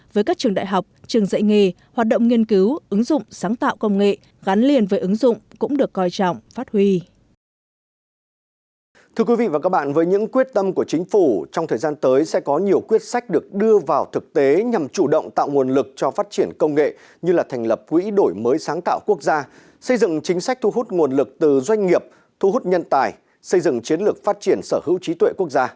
với các trường đại học trường dạy nghề hoạt động nghiên cứu ứng dụng sáng tạo công nghệ gắn liền với ứng dụng cũng được coi trọng phát huy